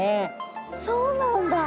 そうなんだ！